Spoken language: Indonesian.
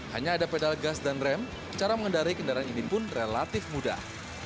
hanya ada pedal gas dan rem cara mengendari kendaraan ini pun relatif mudah